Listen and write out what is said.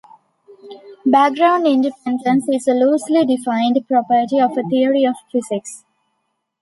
Background-independence is a loosely defined property of a theory of physics.